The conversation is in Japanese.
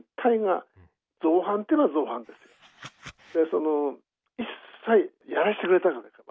その一切やらせてくれたわけです